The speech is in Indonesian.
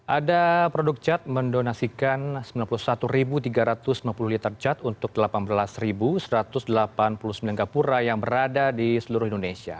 ada produk cat mendonasikan sembilan puluh satu tiga ratus lima puluh liter cat untuk delapan belas satu ratus delapan puluh sembilan kapura yang berada di seluruh indonesia